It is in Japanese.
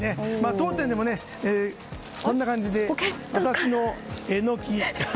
当店でも、こんな感じで私のエノキ。